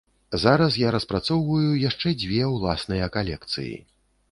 Зараз я распрацоўваю яшчэ дзве ўласныя калекцыі.